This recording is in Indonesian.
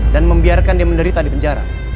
dan membiarkan dia menderita di penjara